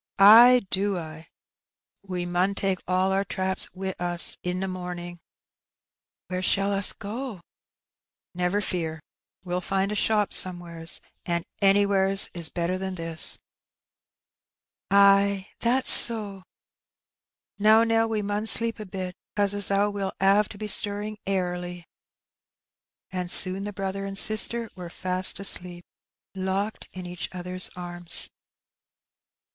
"Ay do I. We mun take all our traps wi' us i' t' morning." "Where shall us go?" ^' Never fear, we'll find a shop somewheres, an' anywheres "Ay, that's so." "Now, Nell, we mun sleep a bit, 'cause as how we'll 'ave to be stirring airly. And soon the brother and sister were fast asleep, locked in each other's arms.